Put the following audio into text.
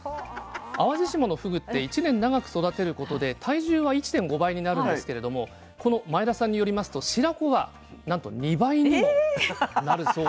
淡路島のふぐって１年長く育てることで体重は１．５倍になるんですけれどもこの前田さんによりますと白子はなんと２倍にもなるそうなんですよ。